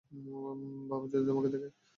বাবা যদি তোমাকে দেখে?